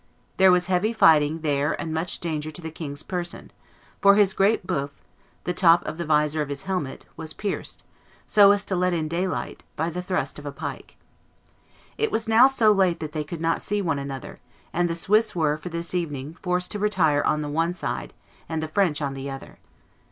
There was heavy fighting there and much danger to the king's person, for his great buffe [the top of the visor of his helmet] was pierced, so as to let in daylight, by the thrust of a pike. It was now so late that they could not see one another; and the Swiss were, for this evening, forced to retire on the one side, and the French on the other.